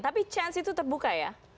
tapi chance itu terbuka ya